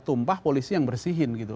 tumpah polisi yang bersihin gitu